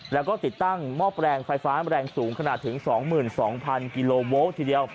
แล้วก็ติดตั้งหม้อแปลงไฟฟ้าแรงสูงขนาดถึง๒๒๐๐กิโลโวลต์ทีเดียว